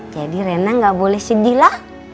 jadi rena gak boleh sedih lah